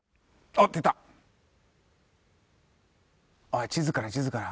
あっ地図から地図から。